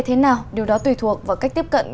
thế nào điều đó tùy thuộc vào cách tiếp cận